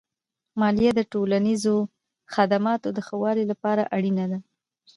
مالیه د ټولنیزو خدماتو د ښه والي لپاره اړینه ده.